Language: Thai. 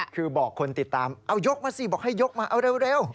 คือบอกคนติดตามเอายกมาสิบอกให้ยกมาเอาเร็ว